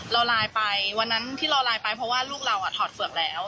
เราไลน์ไปวันนั้นที่เราไลน์ไปเพราะว่าลูกเราถอดเฝือกแล้ว